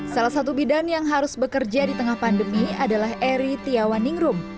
salah satu bidan yang harus bekerja di tengah pandemi adalah eri tiawaningrum